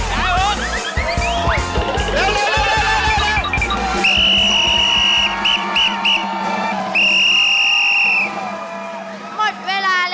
หมดเวลาแล้ว